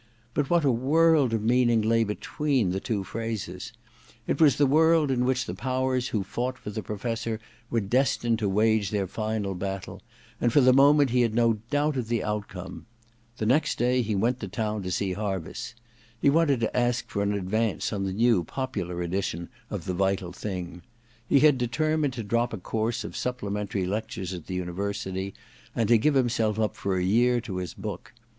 * But what a world of meaning lay between the two phrases ! It was the world in which the powers who fought for the Professor were destined to wage their final battle ; and for the moment he had no doubt of the outcome. * By George, Til do it, Pease !' he sjud, stretching his hand to his friend. The next day he went to town to see Harviss. He wanted to ask for an advance on the new popular edition of *The Vital Thing.' He had determined to drop a course of supple mentary lectures at the University and to give himself up for a year to his book.